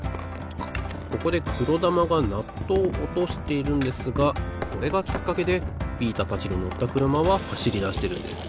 ここでくろだまがナットをおとしているんですがこれがきっかけでビータたちののったくるまははしりだしてるんです。